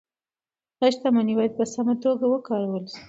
دا شتمني باید په سمه توګه وکارول شي.